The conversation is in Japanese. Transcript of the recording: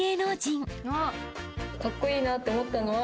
カッコいいなって思ったのは。